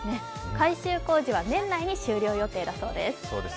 改修工事は年内に終了予定だそうです。